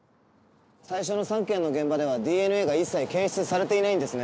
最初の３件の現場ではＤＮＡが一切検出されていないんですね。